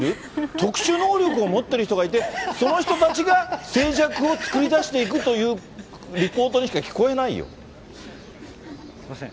特殊能力を持ってる人がいて、その人たちが静寂を作り出していくというリポートにしか聞こえなすみません。